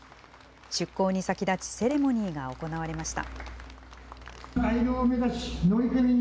出港に先立ち、セレモニーが行われました。